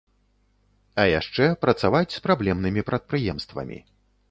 А яшчэ працаваць з праблемнымі прадпрыемствамі.